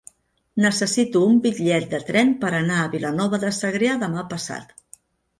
Necessito un bitllet de tren per anar a Vilanova de Segrià demà passat.